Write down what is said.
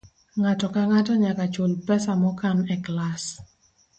Ng'ato ka ng'ato nyaka chul pesa mokan e klas.